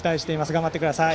頑張ってください。